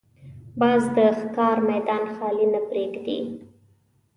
باز د ښکار میدان خالي نه پرېږدي